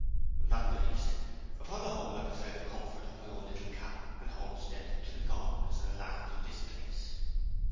'Not in the least. Upon the whole, I prefer the comfort of my little cabin and homestead to the gauntness and alarms of this place.'